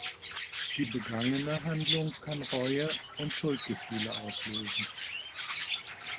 Die begangene Handlung kann Reue und Schuldgefühle auslösen.